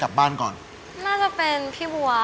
หมวกปีกดีกว่าหมวกปีกดีกว่า